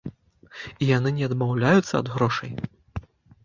І яны не адмаўляюцца ад грошай.